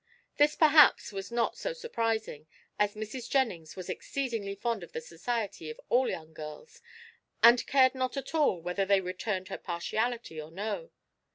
This perhaps was not so surprising, as Mrs. Jennings was exceedingly fond of the society of all young girls, and cared not at all whether they returned her partiality or no.